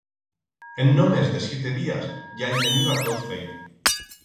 En no mes de siete días ya el teniba tot feit.